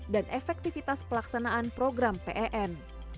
dan efektivitas pelaksanaan program prm